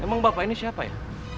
emang bapak ini siapa ya